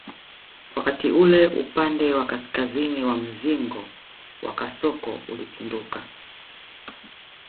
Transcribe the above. Wakati ule upande wa kaskazini wa mzingo wa kasoko ulipinduka